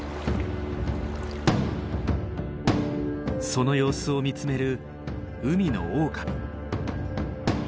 その様子を見つめる海のオオカミ。